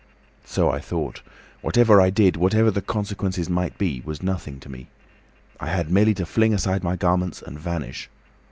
So I thought. Whatever I did, whatever the consequences might be, was nothing to me. I had merely to fling aside my garments and vanish.